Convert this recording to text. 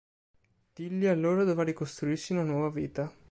Tilly allora dovrà ricostruirsi una nuova vita.